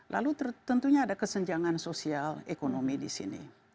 lalu tentunya ada kesenjangan sosial ekonomi di sini